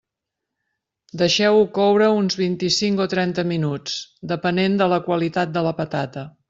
Deixeu-ho coure uns vint-i-cinc o trenta minuts, depenent de la qualitat de la patata.